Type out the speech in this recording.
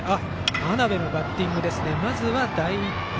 真鍋のバッティングですね。